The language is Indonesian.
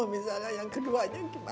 kalau misalnya yang keduanya gimana tuh